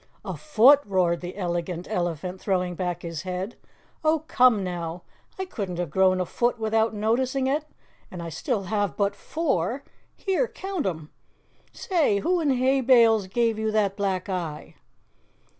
"A foot," roared the Elegant Elephant, throwing back his head. "Oh, come now, I couldn't have grown a foot without noticing it, and I still have but four here, count 'em! Say, who in hay bales gave you that black eye?"